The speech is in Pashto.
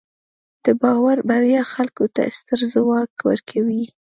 د باور بریا خلکو ته ستر ځواک ورکوي.